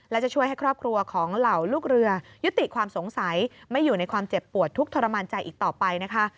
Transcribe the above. และจะช่วยให้ครอบครัวของเหล่าลูกเรือยุติความสงสัยไม่อยู่ในความเจ็บปวดทุกข์ทรมานใจอีกต่อไปนะคะ